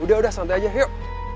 udah udah santai aja yuk